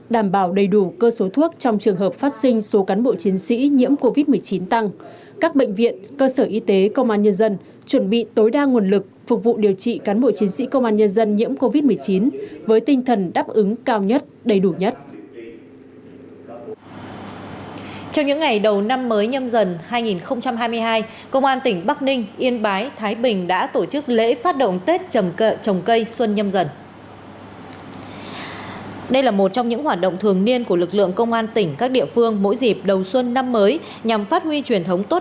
đây là một trong những hoạt động thường niên của lực lượng công an tỉnh các địa phương mỗi dịp đầu xuân năm mới